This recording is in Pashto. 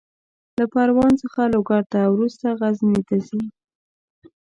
له پروان څخه لوګر ته، وروسته غزني ته ځي.